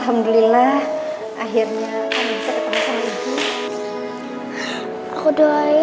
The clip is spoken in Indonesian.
alhamdulillah akhirnya kami bisa ketemu sama ibu